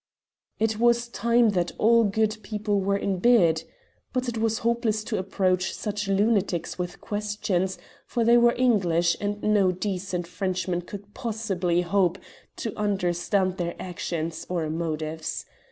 It was time that all good people were in bed. But it was hopeless to approach such lunatics with questions, for they were English, and no decent Frenchman could possibly hope to understand their actions or motives.